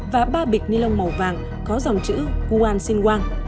và ba bịch ni lông màu vàng có dòng chữ wuan xin wang